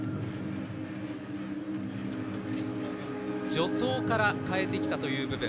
助走から変えてきたという部分。